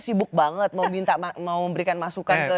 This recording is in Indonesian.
sibuk banget mau minta mau memberikan masukan ke